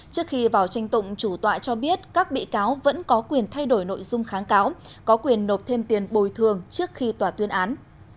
trước khi vào tranh tụng chủ tọa cho biết các bị cáo vẫn có quyền thay đổi nội dung kháng cáo có quyền nộp thêm tiền bồi thường trước khi tòa tuyên án